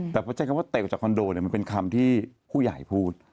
แต่เฉียกว่าเตะออกจากคอนโดเป็นคำที่ผู้ใหญ่พูด